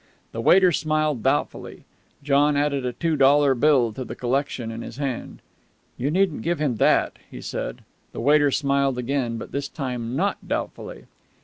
The waiter smiled doubtfully. John added a two dollar bill to the collection in his hand. "You needn't give him that," he said. The waiter smiled again, but this time not doubtfully.